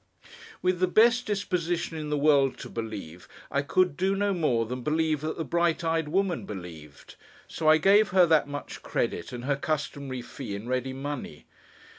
With the best disposition in the world to believe, I could do no more than believe that the bright eyed woman believed; so I gave her that much credit, and her customary fee in ready money.